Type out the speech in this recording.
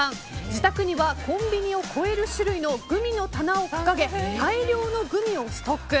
自宅にはコンビニを超える種類のグミの棚があり大量のグミをストック。